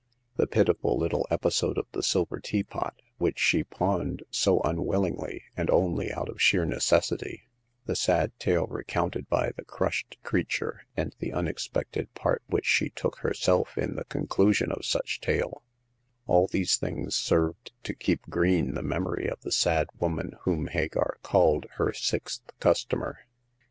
The pitiful little episode of the silver teapot, which she pawned so unwillingly, and only out of sheer necessity ; the sad tale recounted by the crushed creature, and the unexpected part which she took herself in the conclusion of such tale : all these things served to keep green the memory of the sad woman whom Hagar called her sixth customer.